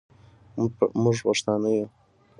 موږ پښتانه یو.